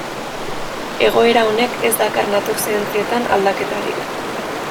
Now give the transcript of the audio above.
Egoera honek ez dakar natur zientzietan aldaketarik.